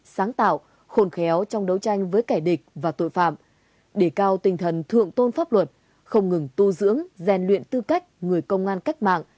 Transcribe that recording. sáng tạo khôn khéo trong đấu tranh với kẻ địch và tội phạm đề cao tinh thần thượng tôn pháp luật không ngừng tu dưỡng rèn luyện tư cách người công an cách mạng